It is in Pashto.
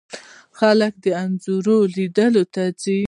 خلک د انځورونو لیدلو ته ځي.